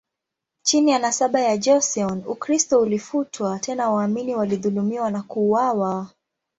Chini ya nasaba ya Joseon, Ukristo ulifutwa, tena waamini walidhulumiwa na kuuawa.